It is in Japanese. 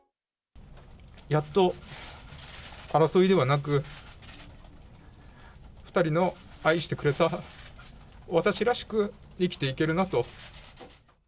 やっと争いではなく、２人の愛してくれた私らしく生きていけるなと。